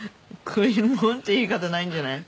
「食い物」って言い方ないんじゃない？